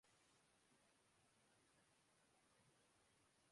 اس کا نتیجہ یہ نکلتا ہے